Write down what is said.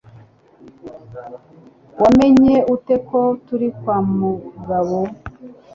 Wamenye ute ko turi kwa Mugabo?